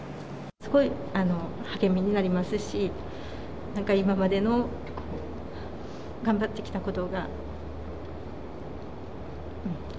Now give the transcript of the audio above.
すごい励みになりますし、なんか今までの頑張ってきたことが。